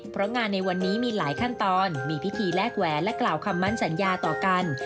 เพราะงานในวันนี้มีหลายขั้นตอนมีพิธีแลกแหวนและกล่าวคำมั่นสัญญาต่อกัน